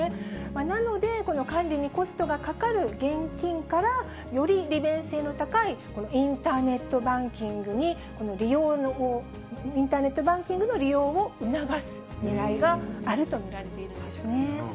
なので、この管理にコストがかかる現金から、より利便性の高いこのインターネットバンキングの利用を促すねらいがあると見られているんですね。